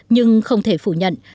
nhưng không thể phủ nhận